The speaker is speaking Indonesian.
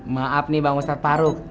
maaf nih bang ustadz paruh